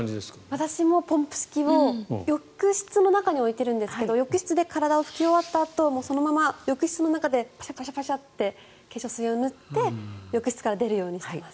私もポンプ式を浴室の中に置いているんですが浴室で体を拭き終わったあとそのまま浴室の中でパシャパシャッて化粧水を塗って浴室から出るようにしています。